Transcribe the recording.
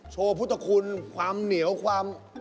พุทธคุณความเหนียวความ